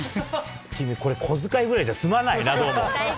君、これ、小遣いぐらいじゃ済まないな、どうも。